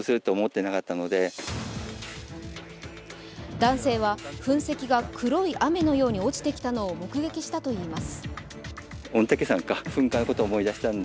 男性は噴石が黒い雨のように落ちてきたのを目撃したといいます。